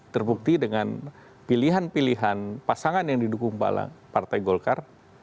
terbukti dengan pilihan pilihan pasangan yang didukung bala partai golkar